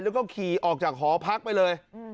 แล้วก็ขี่ออกจากหอพักไปเลย